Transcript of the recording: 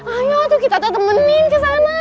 ayo tuh kita tetemenin kesana